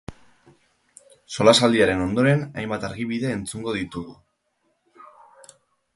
Solasaldiaren ondoren hainbat argibide entzungo ditugu.